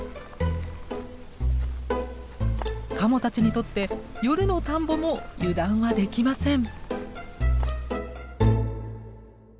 カモたちにとって夜の田んぼも油断はできません。